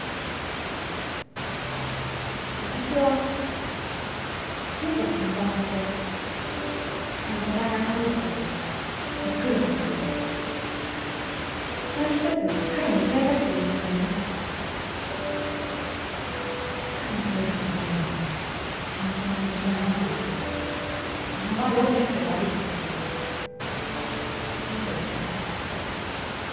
私はきちんと診断をして患者さんや家族とじっくり話をして一人一人としっかり向き合いたくて医者になりました喜多見チーフみたいに瞬間的に判断をしてその場でオペして終わりっていうのにはついていけません